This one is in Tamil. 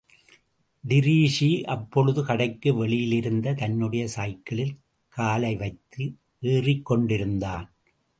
டிரீஸி அப்பொழுது கடைக்கு வெளியிலிருந்த தன்னுடைய சைக்கிளில் காலை வைத்து ஏறிக்கொண்டிருந்தான்.